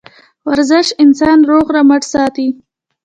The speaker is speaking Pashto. ورزش انسان روغ رمټ ساتي